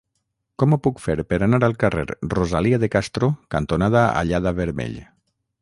Com ho puc fer per anar al carrer Rosalía de Castro cantonada Allada-Vermell?